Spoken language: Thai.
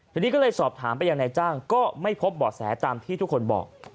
ทีนี้ก็เลยสอบถามไปยังนายจ้างก็ไม่พบเบาะแสตามที่ทุกคนบอก